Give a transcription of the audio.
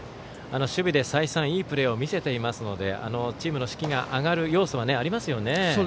守備で再三いいプレーを見せていますのでチームの士気が上がる要素はありますよね。